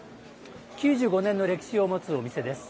９５年の歴史を持つお店です。